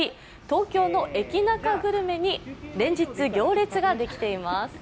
東京のエキナカグルメに連日行列ができています。